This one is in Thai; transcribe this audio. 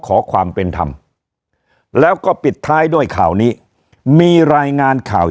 ขอความเป็นธรรมแล้วก็ปิดท้ายด้วยข่าวนี้มีรายงานข่าว